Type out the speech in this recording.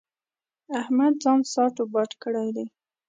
احمد ځان ساټ و باټ کړی دی.